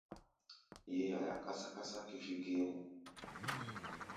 Yé yaia kásá-kásá kífí géémɔ.